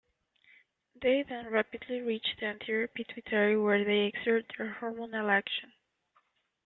They then rapidly reach the anterior pituitary where they exert their hormonal action.